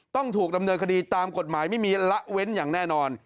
ต้องถูกดำเนินคดีตามกฎหมายไม่มีละเว้นอย่างแน่นอน